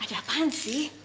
ada apaan sih